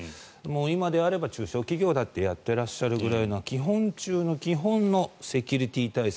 今であれば中小企業だってやってらっしゃるぐらいの基本中の基本のセキュリティー対策